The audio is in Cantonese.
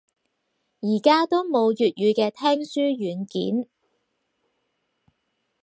而家都冇粵語嘅聽書軟件